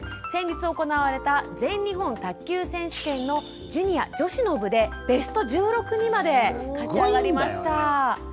先日行われた全日本卓球選手権のジュニア女子の部でベスト１６にまで勝ち上がりました。